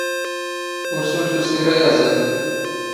ⵓⵔ ⵙⵓⵍ ⵜⵓⵙⵉⵔ ⴰⵢⴰⵥⵉⴹ.